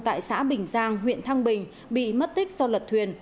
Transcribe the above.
tại xã bình giang huyện thăng bình bị mất tích do lật thuyền